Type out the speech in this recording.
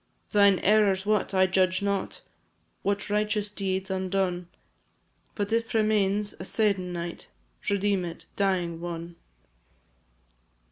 Thine errors what, I judge not; What righteous deeds undone; But if remains a se'ennight, Redeem it, dying one!